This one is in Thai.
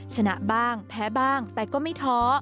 ชนะบ้างแพ้บ้างแต่ก็ไม่ท้อ